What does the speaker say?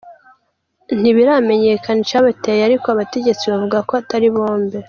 Ntibiramenyekana icabiteye, ariko abategetsi bavuga ko Atari bombe.